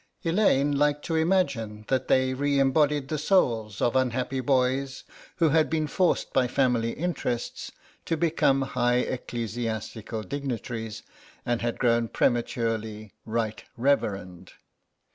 Elaine liked to imagine that they re embodied the souls of unhappy boys who had been forced by family interests to become high ecclesiastical dignitaries and had grown prematurely Right Reverend.